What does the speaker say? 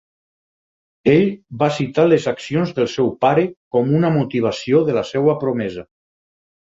Ell va citar les accions del seu pare com una motivació de la seva promesa.